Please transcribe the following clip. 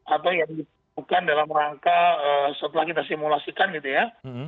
atau yang diperlukan dalam rangka setelah kita simulasikan gitu ya